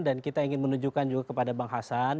dan kita ingin menunjukkan juga kepada bang hasan